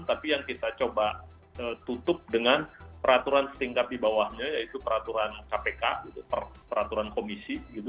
tapi yang kita coba tutup dengan peraturan setingkat di bawahnya yaitu peraturan kpk peraturan komisi